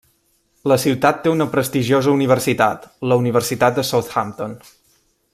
La ciutat té una prestigiosa universitat, la Universitat de Southampton.